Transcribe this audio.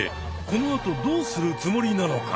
このあとどうするつもりなのか。